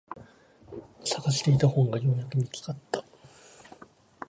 探していた本がようやく見つかった。